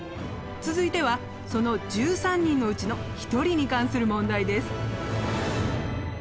続いてはその１３人のうちの１人に関する問題です。